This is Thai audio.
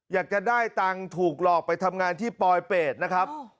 อยากจะได้ตังค์ถูกหลอกไปทำงานที่ปลอยเป็ดนะครับ